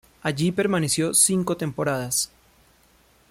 Allí permaneció cinco temporadas.